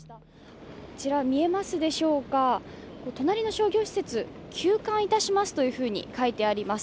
あちら見えますでしょうか、隣の商業施設、休館いたしますと書いてあります。